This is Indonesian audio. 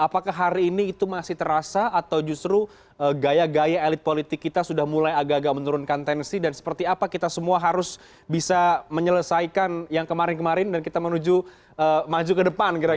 apakah hari ini itu masih terasa atau justru gaya gaya elit politik kita sudah mulai agak agak menurunkan tensi dan seperti apa kita semua harus bisa menyelesaikan yang kemarin kemarin dan kita menuju maju ke depan